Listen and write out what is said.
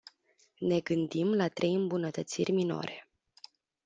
Ne gândim la trei îmbunătățiri minore.